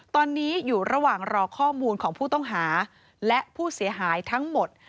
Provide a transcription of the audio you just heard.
ตอนนี้อยู่ระหว่างรอข้อมูลของผู้ต้องหาและผู้เสียหายทั้งหมด